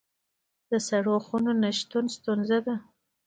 د سړو خونو نشتون ستونزه ده